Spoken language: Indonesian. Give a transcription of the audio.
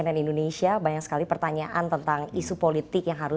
dari peristiwa yang paling baru